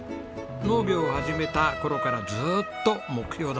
農業を始めた頃からずっと目標だったんですね。